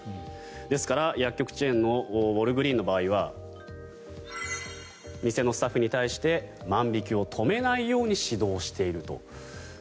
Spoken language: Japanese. ですから薬局チェーンのウォルグリーンの場合は店のスタッフに対して万引きを止めないように指導していると。